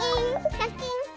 シャキン。